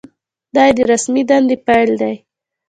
دا یې د رسمي دندې پیل دی.